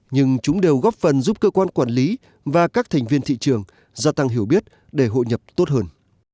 nhưng chúng đều góp phần giúp cơ quan quản lý và các thành viên thị trường gia tăng hiểu biết để hội nhập tốt hơn